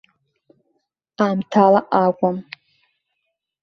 Аамҭала акәым.